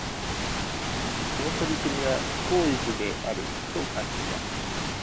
この取り組みは、非効率的であると感じた。